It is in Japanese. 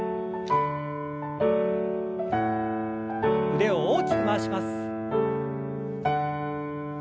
腕を大きく回します。